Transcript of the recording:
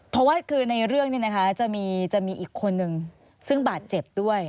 เพราะว่าคือในเรื่องนี้นะคะจะมีอีกคนนึงซึ่งบาดเจ็บด้วย